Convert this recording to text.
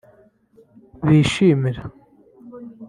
bishimira